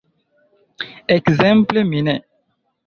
Ekzemple mi ne.